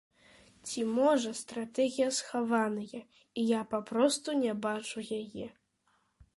Ці, можа, стратэгія схаваная, і я папросту не бачу яе.